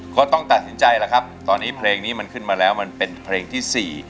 ก็ต้องตัดสินใจแล้วครับตอนนี้เพลงนี้มันขึ้นมาแล้วมันเป็นเพลงที่๔